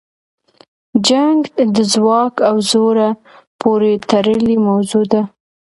جنګ د ځواک او زوره پورې تړلې موضوع ده.